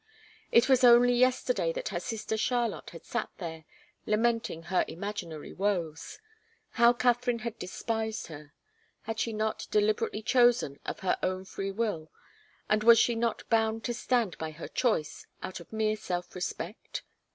It was only yesterday that her sister Charlotte had sat there, lamenting her imaginary woes. How Katharine had despised her! Had she not deliberately chosen, of her own free will, and was she not bound to stand by her choice, out of mere self respect?